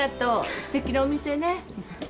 すてきなお店ね。